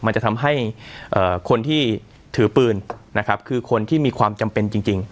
มันจะทำให้คนที่ถือปืนนะครับคือคนที่มีความจำเป็นจริง